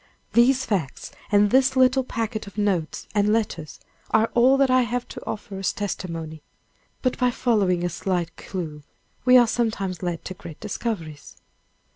These facts, and this little packet of notes and letters, are all that I have to offer as testimony. But by following a slight clue, we are sometimes led to great discoveries."